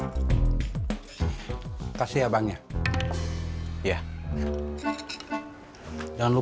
dalam istri dia jual karun berdasari peraturan itu